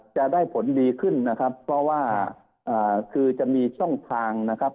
จะได้ผลดีขึ้นนะครับเพราะว่าคือจะมีช่องทางนะครับ